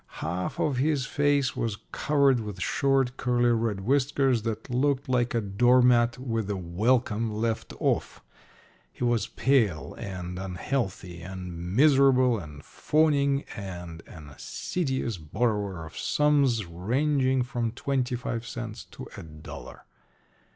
Half of his face was covered with short, curly red whiskers that looked like a door mat with the "welcome" left off. He was pale and unhealthy and miserable and fawning, and an assiduous borrower of sums ranging from twenty five cents to a dollar.